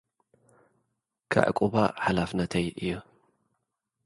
ከዕቍባ ሓላፍነተይ እዩ።